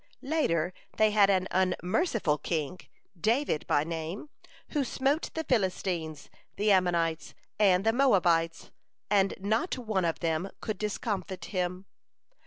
Later they had an unmerciful king, David by name, who smote the Philistines, the Ammonites, and the Moabites, and not one of them could discomfit him.